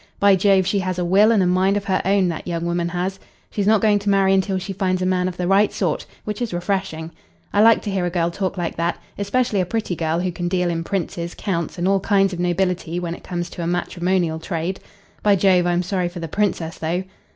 By Jove, she has a will and a mind of her own, that young woman has. She's not going to marry until she finds a man of the right sort which is refreshing. I like to hear a girl talk like that, especially a pretty girl who can deal in princes, counts and all kinds of nobility when it comes to a matrimonial trade. By Jove, I'm sorry for the Princess, though."